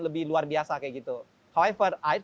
lebih luar biasa kayak gitu however air